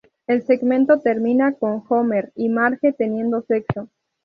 El segmento termina con Homer y Marge teniendo sexo.